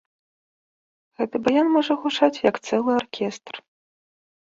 Гэты баян можа гучаць як цэлы аркестр.